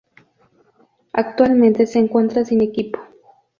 Actualmente se encuentra sin equipo.